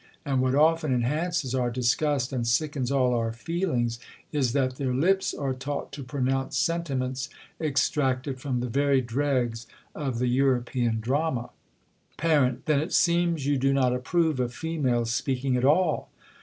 And what often enhances our disgust, and sickens all our R feelings. 194 THE COLUMBIAN ORATOR. feelings, is, that their lips are taught to pronounce sentiments, extracted from the very dregs of the Euro pean drama. Par, Then it seems you do not ajlprove of females speaking at all